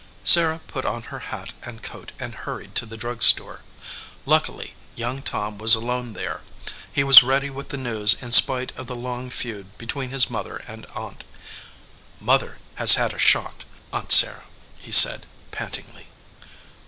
Sarah put on her hat and coat and hurried to the drug store. Luckily young Tom was alone there. He was ready with the news in spite of the long feud between his mother and aunt. "Mother has had a shock, Aunt Sarah/ he said, pantingly.